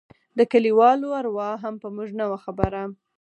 د کليوالو اروا هم په موږ نه وه خبره.